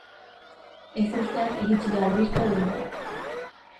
Ezustean iritsi da albistea dendara.